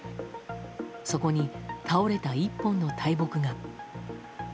そこに倒れた１本の大木が。